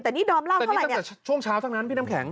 แต่นี่ดอมเล่าเท่าไรเนี่ยแต่นี่ตั้งแต่ช่วงเช้าทั้งนั้นพี่น้ำแข็ง